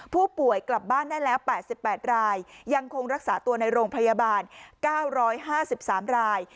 ผู้ป่วยกลับบ้านได้แล้ว๘๘รายยังคงรักษาตัวในโรงพยาบาล๙๕๓ราย